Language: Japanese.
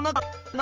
何？